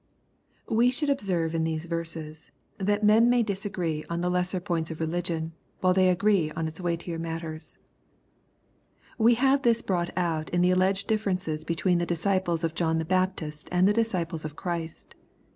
k LUKE, CHAP. V. 158 We shoi lid observe in these verses, that men may disagree on the lesser points of religion^ while they agree on its weightier matters. We have this brought out in the alleged difference between the disciples of John the Bap tist, and the disciples of Christ.